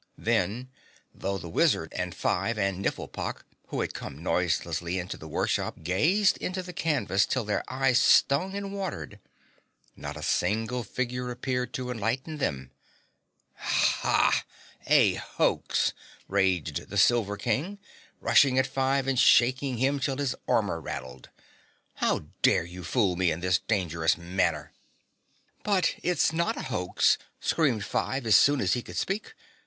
Then, though the wizard and Five and Nifflepok, who had come noiselessly into the workshop, gazed into the canvas till their eyes stung and watered, not a single figure appeared to enlighten them. "HAH! A hoax!" raged the Silver King, rushing at Five and shaking him till his armor rattled. "How dare you fool me in this dangerous manner?" "But it's not a hoax," screamed Five as soon as he could speak.